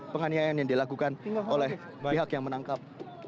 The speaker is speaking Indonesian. penganiayaan yang dilakukan oleh pihak yang menangkap